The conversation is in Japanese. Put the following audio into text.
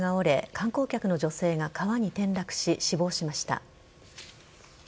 観光客の女性が川に転落し死亡しました。